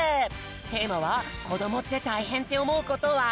テーマは「こどもってたいへんっておもうことは？」。